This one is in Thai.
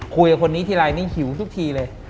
คุยกับคนนี้ทีไรนี่หิวทุกทีเลย